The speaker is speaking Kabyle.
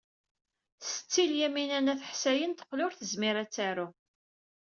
Setti Lyamina n At Ḥsayen teqqel ur tezmir ad taru.